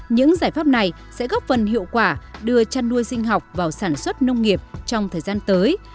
những giải pháp này sẽ góp phần hiệu quả đưa chăn nuôi sinh học vào sản xuất nông nghiệp trong thời gian tới